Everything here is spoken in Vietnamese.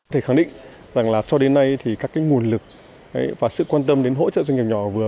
thầy khẳng định rằng cho đến nay các nguồn lực và sự quan tâm đến hỗ trợ doanh nghiệp nhỏ và vừa